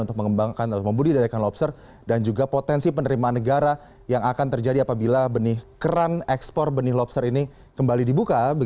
untuk mengembangkan atau membudidayakan lobster dan juga potensi penerimaan negara yang akan terjadi apabila benih keran ekspor benih lobster ini kembali dibuka